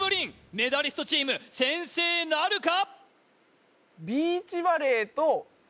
メダリストチーム先制なるか？